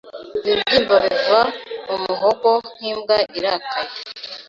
Ibibyimba biva mu muhogo nk'imbwa irakaye